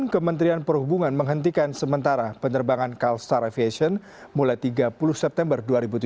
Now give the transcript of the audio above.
kementerian perhubungan menghentikan sementara penerbangan calsar aviation mulai tiga puluh september dua ribu tujuh belas